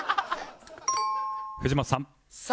藤本さん